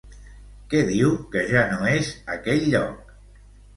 Què diu que ja no és aquell lloc?